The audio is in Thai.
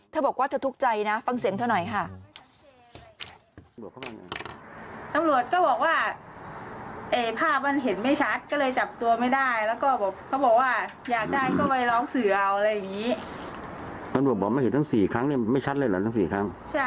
เธอบอกว่าเธอทุกข์ใจนะฟังเสียงเธอหน่อยค่ะ